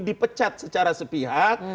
dipecat secara sepihak